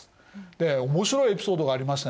で面白いエピソードがありましてね